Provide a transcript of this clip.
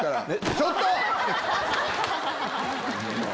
ちょっと！